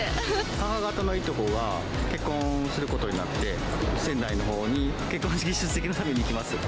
母方のいとこが結婚することになって、仙台のほうに結婚式出席のために行きます。